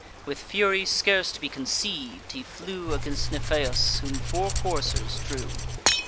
With fury scarce to be conceiv'd, he flew Against Niphaeus, whom four coursers drew.